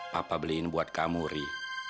papa beliin buat kamu ri